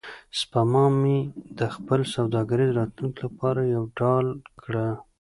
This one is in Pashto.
سپما مې د خپل سوداګریز راتلونکي لپاره یوه ډال کړه.